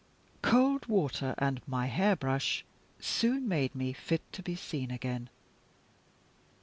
Cold water and my hairbrush soon made me fit to be seen again.